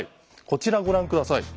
こちらご覧下さい。